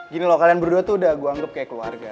gini loh kalian berdua tuh udah gue anggap kayak keluarga